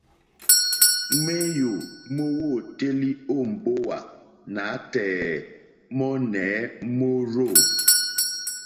Ŋwéyò mówǒtélì ó mbówà nǎtɛ̀ɛ̀ mɔ́nɛ̌ mórzô.